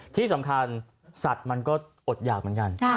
ที่สำคัญสัตว์มันก็อดหยากเหมือนกัน